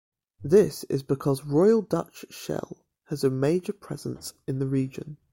This is because Royal Dutch Shell has a major presence in the region.